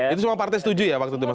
itu semua partai setuju ya waktu itu mas